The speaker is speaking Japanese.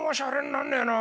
なんねえな。